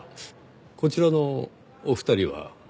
こちらのお二人は？